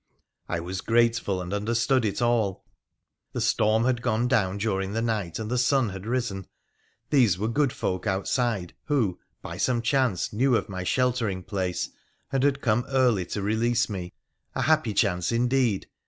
I was grateful, and understood it all. The storm had gone down during the night and the sun had risen ; these were good folk outside, who, by some chance, knew of my sheltering place and had come early to release me — a happy chance indeed